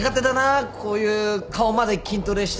こういう顔まで筋トレしてそうな人？